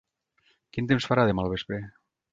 Quin temps farà demà al vespre?